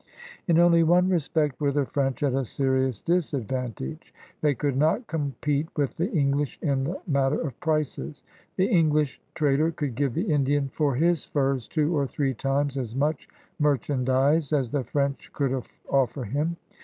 In only one respect were the French at a seru>us disadvantage. They could not compete with the English in the matter of prices. The English trader could give the Indian for his furs two or three times as much merchandise as the French could o£Fer him.